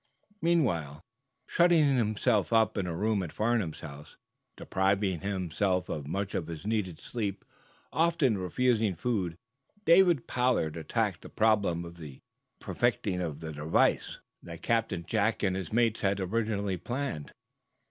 Shutting himself up in a room at Farnum's home, depriving himself of much of his needed sleep, often refusing food, David Pollard attacked the problem of perfecting the device that Captain Jack and his mates had originally planned.